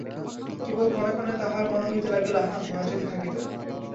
কেবল ক্ষণে ক্ষণে তাহার মনে হইতে লাগিল, আহা, মা যদি থাকিতেন!